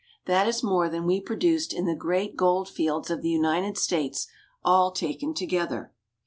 That is more than we produced in the great gold fields of the United States all taken together.